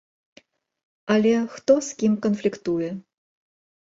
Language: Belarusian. Але хто з кім канфліктуе?